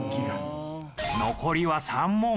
残りは３問。